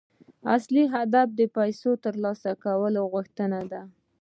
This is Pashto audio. اصلي هدف د پيسو ترلاسه کولو غوښتنه ده.